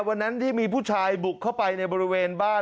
วันนั้นที่มีผู้ชายบุกเข้าไปในบริเวณบ้าน